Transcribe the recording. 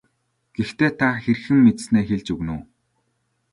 Гэхдээ та хэрхэн мэдсэнээ хэлж өгнө үү.